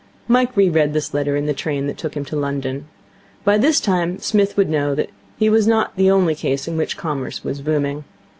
Mike re read this letter in the train that took him to London. By this time Psmith would know that his was not the only case in which Commerce was booming.